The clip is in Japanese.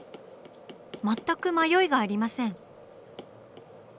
全く迷いがありません。